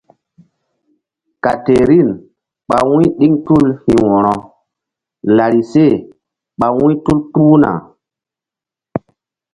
Katerin ɓa wu̧y ɗiŋ tul hi̧ wo̧ro larise ɓa wu̧y tul kpuhna.